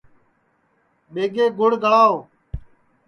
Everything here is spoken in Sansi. ٻیگے گھُڑ گݪاؤ